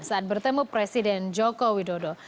saat bertemu presiden jokowi dodo